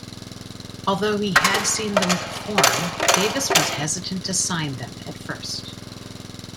Although he had seen them perform, Davis was hesitant to sign them at first.